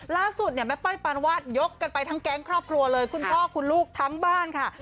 ล่าสุดเนี่ยแม่ป้อยปานวาดยกกันไปทั้งแก๊งครอบครัวเลยคุณพ่อคุณลูกทั้งบ้านค่ะ